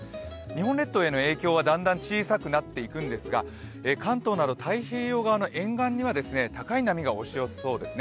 日本列島への影響はだんだん小さくなっていくんですが、関東など太平洋側の沿岸には高い波が押し寄せそうです。